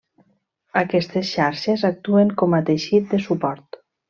Aquestes xarxes actuen com a teixit de suport.